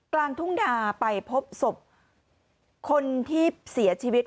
กลางทุ่งนาไปพบศพคนที่เสียชีวิต